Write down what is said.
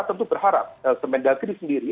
tentu berharap kementerian dari sendiri